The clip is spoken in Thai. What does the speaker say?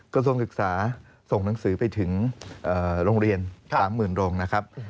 กระทรวงศึกษาส่งหนังสือไปถึงโรงเรียน๓๐๐๐โรงนะครับ